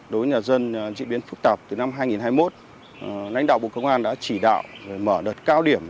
đối với nhà dân diễn biến phức tạp từ năm hai nghìn hai mươi một lãnh đạo bộ công an đã chỉ đạo mở đợt cao điểm